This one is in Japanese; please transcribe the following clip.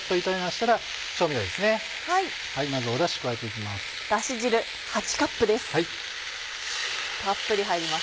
たっぷり入ります。